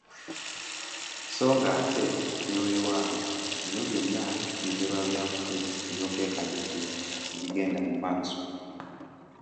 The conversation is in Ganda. So ng’ate ne Weewaawo bino byonna bizze lwa byabufuzi eby’okwekaniikirira kati ebigenda mu maaso.